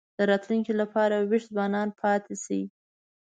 د راتلونکي لپاره وېښ ځوانان پاتې شي.